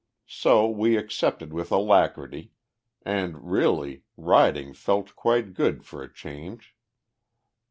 So we accepted with alacrity, and, really, riding felt quite good for a change!